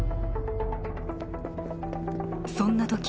そんなとき